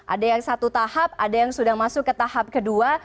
ada yang satu tahap ada yang sudah masuk ke tahap kedua